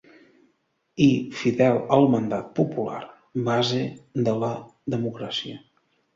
I fidel al mandat popular, base de la democràcia.